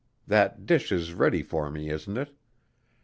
That dish is ready for me, isn't it?"